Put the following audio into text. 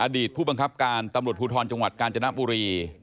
ผู้บังคับการตำรวจภูทรจังหวัดกาญจนบุรี